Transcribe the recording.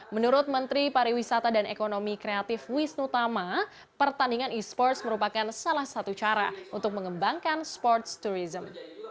menurut menteri pariwisata dan ekonomi kreatif wisnu tama pertandingan e sports merupakan salah satu cara untuk mengembangkan sports tourism